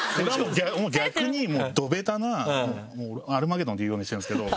逆にもうどベタな『アルマゲドン』って言うようにしてるんですけど。